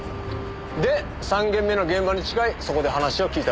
で３件目の現場に近いそこで話を聞いたわけです。